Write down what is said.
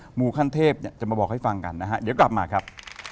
หมู่ขั้นเทพเนี่ยจะมาบอกให้ฟังกันนะฮะเดี๋ยวกลับมาครับ